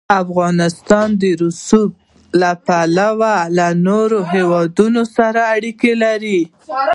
افغانستان د رسوب له پلوه له نورو هېوادونو سره اړیکې لري.